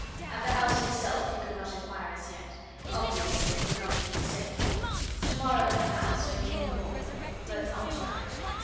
At the house itself he could not inquire as yet; obviously it would not have been safe; tomorrow, perhaps, when he knew more, but not tonight.